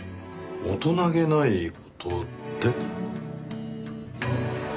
大人げない事って？